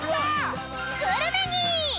［グルメに］